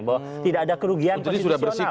bahwa tidak ada kerugian konstitusional